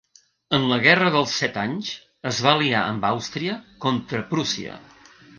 En la guerra dels set anys, es va aliar amb Àustria contra Prússia.